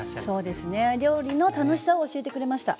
そうですね料理の楽しさを教えてくれました。